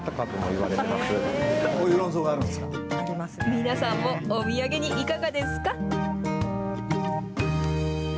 皆さんもお土産にいかがですか？